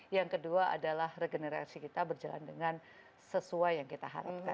yang kedua adalah regenerasi kita berjalan dengan sesuai yang kita harapkan